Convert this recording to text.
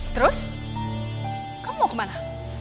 terus kamu mau ke mana